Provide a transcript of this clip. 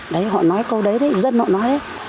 đấy họ nói câu đấy đấy dân họ nói đấy